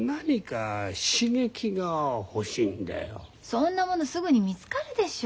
そんなものすぐに見つかるでしょ。